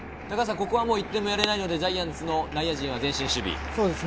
ここはもう１点もやれないので、ジャイアンツの内野陣は前進守備。